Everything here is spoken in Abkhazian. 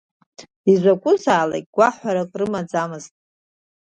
Изакәызаалакь гәаҳәарак рымаӡамызт.